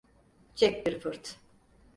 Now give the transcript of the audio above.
Çek bir fırt.